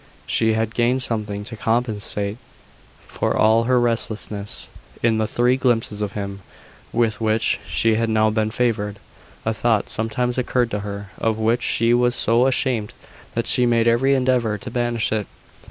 She had gained something to compensate for all her restlessness, in the three glimpses of him with which she had now been favoured. A thought sometimes occurred to her, of which she was so ashamed that she made every endeavour to banish it.